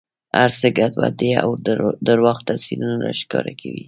هر څه ګډوډ دي او درواغ تصویرونه را ښکاره کوي.